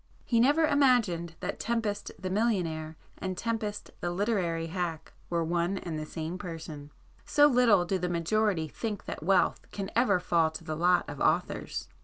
He never imagined that Tempest the millionaire, and Tempest the literary hack, were one and the same person,—so little do the majority think that wealth can ever fall to the lot of authors!